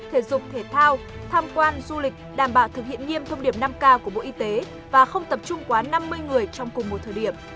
thể dục thể thao tham quan du lịch đảm bảo thực hiện nghiêm thông điệp năm k của bộ y tế và không tập trung quá năm mươi người trong cùng một thời điểm